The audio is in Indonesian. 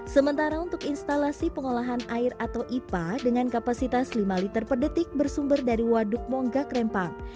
sementara untuk instalasi pengolahan air atau ipa dengan kapasitas lima liter per detik bersumber dari waduk mongga krempang